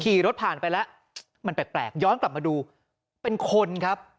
ขี่รถผ่านไปแล้วมันแปลกย้อนกลับมาดูเป็นคนครับ